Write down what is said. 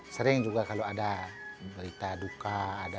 sering juga kalau ada berita duka